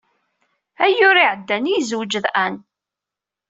Ayyur iɛeddan i yezweǧ d Ann.